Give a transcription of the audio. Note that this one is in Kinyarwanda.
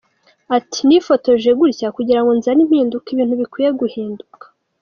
Ati “Nifotoje gutya kugira ngo nzane impinduka, ibintu bikwiye guhinduka.